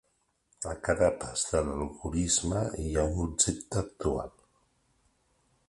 A cada pas de l'algorisme hi ha un objecte actual.